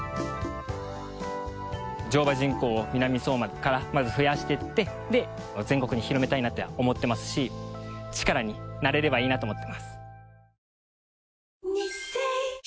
乗馬人口を南相馬からまず増やしていって全国に広めたいなって思ってますし力になれればいいなと思っています。